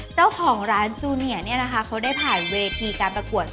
เจ้าของร้านจูเนียเนี่ยนะคะเขาได้ถ่ายเวทีการประกวด